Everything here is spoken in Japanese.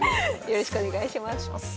よろしくお願いします。